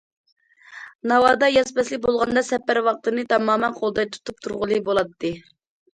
ناۋادا ياز پەسلى بولغاندا، سەپەر ۋاقتىنى تامامەن قولدا تۇتۇپ تۇرغىلى بولاتتى.